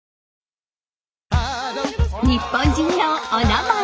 「日本人のおなまえ」。